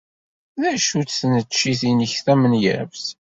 D acu-tt tneččit-nnek tamenyaft?